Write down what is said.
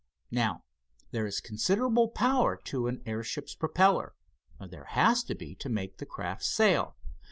Now there is considerable power to an airship's propeller—there has to be to make the craft sail.